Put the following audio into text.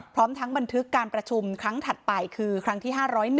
พร้อมทั้งบันทึกการประชุมครั้งถัดไปคือครั้งที่๕๐๑